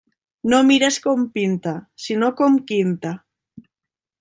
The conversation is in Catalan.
No mires com pinta, sinó com quinta.